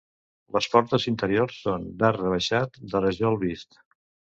Les portes interiors són d'arc rebaixat de rajol vist.